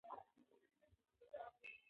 ایا تاسې د چاپیریال په اړه فکر کوئ؟